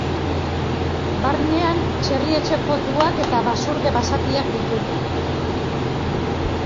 Barnean txerri etxekotuak eta basurde basatiak ditu.